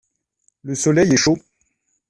Le soleil est chaud.